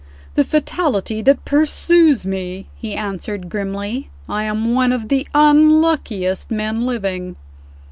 "The fatality that pursues me," he answered grimly. "I am one of the unluckiest men living."